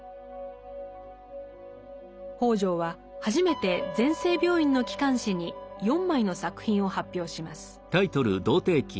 北條は初めて全生病院の機関誌に４枚の作品を発表します。